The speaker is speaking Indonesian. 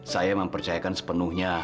saya mempercayakan sepenuhnya